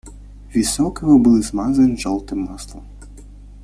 Висок его был измазан желтым маслом.